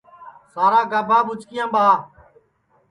سارا گابھا ٻُچکِیام ٻاہوَ